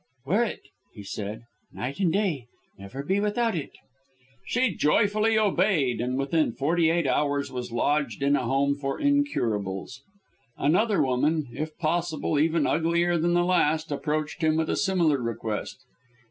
"Wear it," he said, "night and day. Never be without it." She joyfully obeyed, and within forty eight hours was lodged in a home for incurables. Another woman, if possible even uglier than the last, approached him with a similar request.